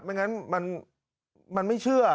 ไม่งั้นมันไม่เชื่อ